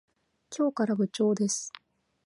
今日から部長です。